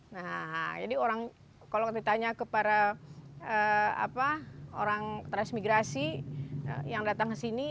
nah jadi orang kalau ditanya kepada orang transmigrasi yang datang ke sini